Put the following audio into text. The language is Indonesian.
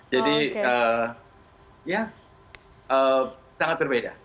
jadi ya sangat berbeda